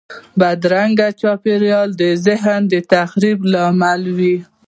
بدرنګه چاپېریال د ذهن د تخریب لامل وي